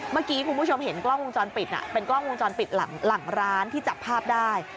เมื่อกี้คุณผู้ชมเห็นกล้องวงจรปิดเป็นกล้องวงจรปิดหลังร้านที่จับภาพได้